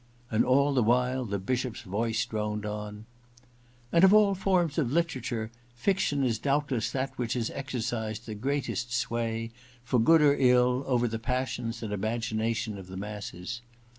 And all the while the Bishop's voice droned on. .•. *And of all forms of literature, fiction is doubtless that which has exercised the greatest sway, for good or ill, over the passions and imagination of the masses.